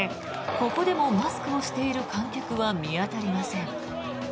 ここでもマスクをしている観客は見当たりません。